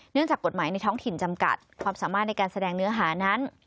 จากกฎหมายในท้องถิ่นจำกัดความสามารถในการแสดงเนื้อหานั้น